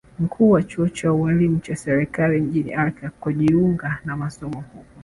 Mkuu wa chuo cha ualimu cha serikali mjini Accra kujiunga na masomo huko